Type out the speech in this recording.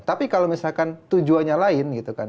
tapi kalau misalkan tujuannya lain gitu kan